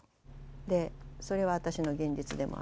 でそれは私の現実でもあるし。